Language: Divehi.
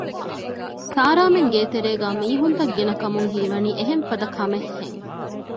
ސާރާމެން ގޭތެރޭގައި މީހުންތައް ގިނަކަމުން ހީވަނީ އެހެން ފަދަ ކަމެއް ހެން